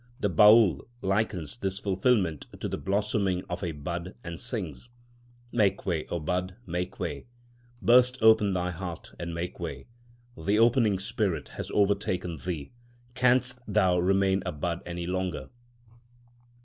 The Baül likens this fulfilment to the blossoming of a bud, and sings: Make way, O bud, make way, Burst open thy heart and make way. The opening spirit has overtaken thee, Canst thou remain a bud any longer?